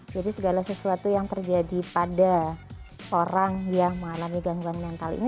jadi segala sesuatu yang terjadi pada orang yang mengalami gangguan mental ini